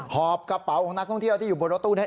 หอบกระเป๋าของนักท่องเที่ยวที่อยู่บนรถตู้นี้